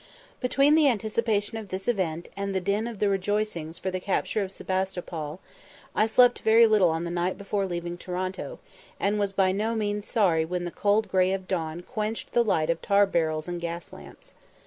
Between the anticipation of this event, and the din of the rejoicings for the "capture of Sebastopol," I slept very little on the night before leaving Toronto, and was by no means sorry when the cold grey of dawn quenched the light of tar barrels and gas lamps.